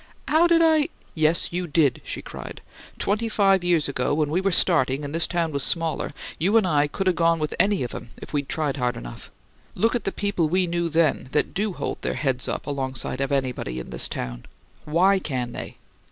"How did I " "Yes, you did!" she cried. "Twenty five years ago when we were starting and this town was smaller, you and I could have gone with any of 'em if we'd tried hard enough. Look at the people we knew then that do hold their heads up alongside of anybody in this town! WHY can they?